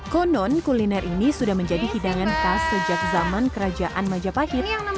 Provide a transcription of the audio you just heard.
konon kuliner ini sudah menjadi hidangan khas sejak zaman kerajaan majapahit